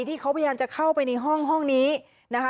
ที่เขาพยายามจะเข้าไปในห้องนี้นะคะ